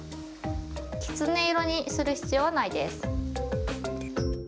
きつね色にする必要はないです。